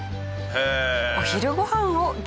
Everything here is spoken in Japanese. へえ！